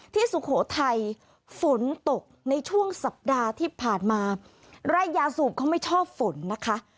สุโขทัยฝนตกในช่วงสัปดาห์ที่ผ่านมาไร่ยาสูบเขาไม่ชอบฝนนะคะ